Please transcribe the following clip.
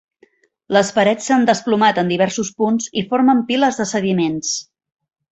Les parets s'han desplomat en diversos punts i formen piles de sediments.